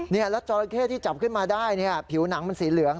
แล้วจอราเข้ที่จับขึ้นมาได้ผิวหนังมันสีเหลือง